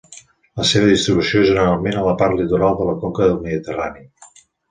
La seva distribució és generalment a la part litoral de la conca del Mediterrani.